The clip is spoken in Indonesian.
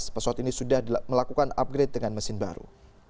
pesawat ini sudah melakukan upgrade dengan mesin baru